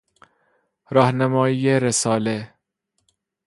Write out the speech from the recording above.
راهنمایی رساله